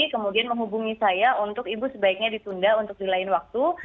kemudian menghubungi saya untuk ibu sebaiknya ditunda untuk di lain waktu